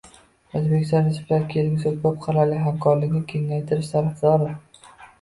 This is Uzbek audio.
O'zbekiston Respublikasi kelgusida ko'p qirrali hamkorlikni kengaytirish tarafdori